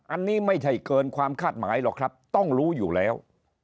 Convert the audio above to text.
อันนี้ไม่ใช่เกินความคาดหมายหรอกครับต้องรู้อยู่แล้ว